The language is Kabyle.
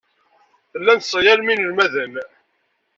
Tellam tesseɣyalem inelmaden.